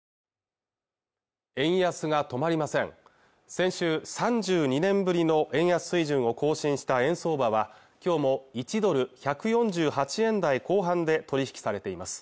先週３２年ぶりの円安水準を更新した円相場はきょうも１ドル１４８円台後半で取り引きされています